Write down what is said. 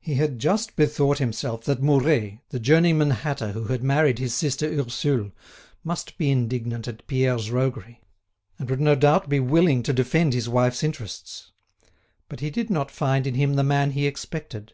He had just bethought himself that Mouret, the journeyman hatter who had married his sister Ursule, must be indignant at Pierre's roguery, and would no doubt be willing to defend his wife's interests. But he did not find in him the man he expected.